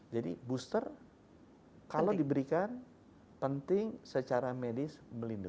jadi booster kalau diberikan penting secara medis berubah